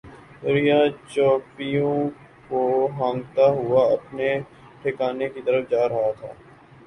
گڈریا چوپایوں کو ہانکتا ہوا اپنے ٹھکانے کی طرف جا رہا تھا۔